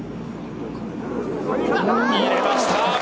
入れました。